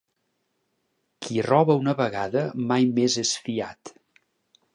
Qui roba una vegada mai més és fiat.